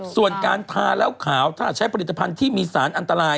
ส่วนการทาแล้วขาวถ้าใช้ผลิตภัณฑ์ที่มีสารอันตราย